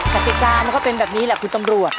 กติกามันก็เป็นแบบนี้แหละคุณตำรวจ